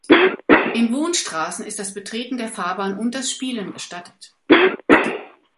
In Wohnstraßen ist das Betreten der Fahrbahn und das Spielen gestattet.